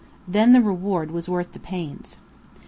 Then the reward was worth the pains.